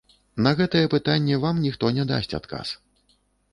На гэтае пытанне вам ніхто не дасць адказ.